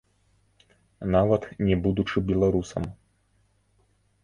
Нават не будучы беларусам.